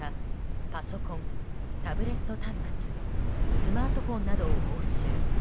パソコン、タブレット端末スマートフォンなどを押収。